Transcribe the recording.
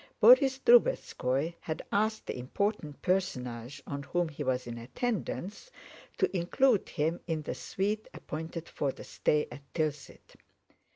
Borís Drubetskóy had asked the important personage on whom he was in attendance, to include him in the suite appointed for the stay at Tilsit.